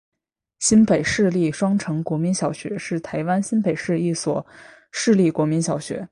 新北市立双城国民小学是台湾新北市一所市立国民小学。